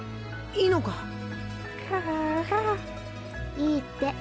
いいって。